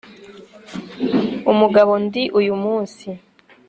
umugabo ndi uyu munsi